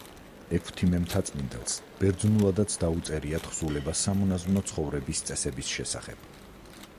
ექვთიმე მთაწმინდელს ბერძნულადაც დაუწერია თხზულება სამონაზვნო ცხოვრების წესების შესახებ.